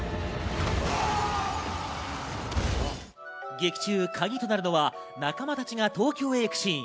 劇中、カギとなるのは仲間たちが東京へ行くシーン。